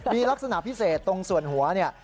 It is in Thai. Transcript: มีลักษณะพิเศษตรงส่วนหัวเนี่ย